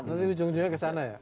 ujung ujungnya ke sana ya